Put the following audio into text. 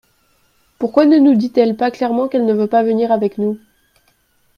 Pourquoi ne nous dit-elle pas clairement qu’elle ne veut pas venir avec nous ?